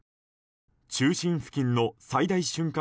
中心付近の最大瞬間